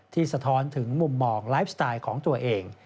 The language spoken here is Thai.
สะท้อนถึงมุมมองไลฟ์สไตล์ของตัวเอง